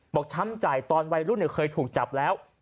ช้ำใจตอนวัยรุ่นเคยถูกจับแล้ว